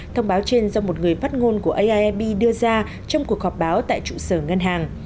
thông báo trên do một người phát ngôn của aib đưa ra trong cuộc họp báo tại trụ sở ngân hàng